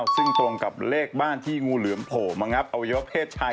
ซึ่งตรงกับเลขบ้านที่งูเหลือมโผล่มางับอวัยวะเพศชาย